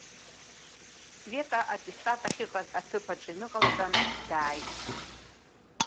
Света аттестат ахьыҟаз аҭыԥ аҿы иныҟалҵан, дааит.